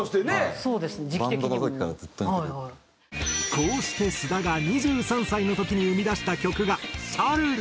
こうして須田が２３歳の時に生み出した曲が『シャルル』。